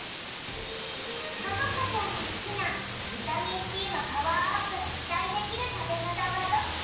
のどかちゃんの好きなビタミンＣのパワーアップが期待できる食べ方はどっち？